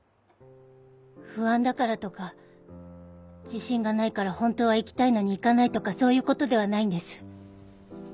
不安だからとか自信がないからホントは行きたいのに行かないとかそういうことではないんです。